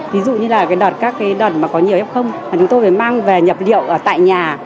ví dụ như là cái đợt các cái đợt mà có nhiều hiếp không mà chúng tôi phải mang về nhập liệu ở tại nhà